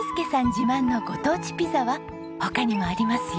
自慢のご当地ピザは他にもありますよ。